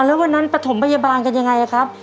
แล้ววันนั้นปฐมพยาบาลกันยังไงครับ